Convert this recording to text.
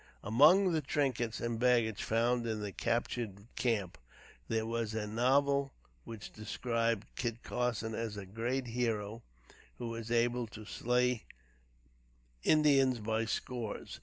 Among the trinkets and baggage found in the captured camp, there was a novel which described Kit Carson as a great hero who was able to slay Indians by scores.